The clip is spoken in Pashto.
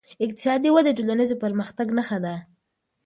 اقتصادي وده د ټولنیز پرمختګ نښه ده.